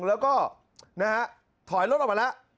แล้วก็ถอยรถออกมาแล้ว